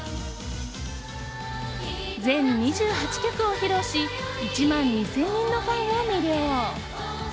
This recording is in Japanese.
全２８曲を披露し１万２０００人のファンを魅了。